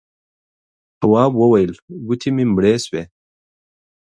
تواب وويل: گوتې مې مړې شوې.